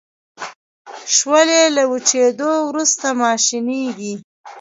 شولې له وچیدو وروسته ماشینیږي.